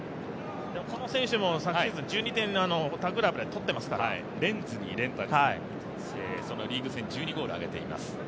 この選手も昨シーズン１２点他クラブで取ってますから、リーグ戦１２ゴール挙げています。